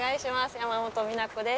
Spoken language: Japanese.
山本美奈子です。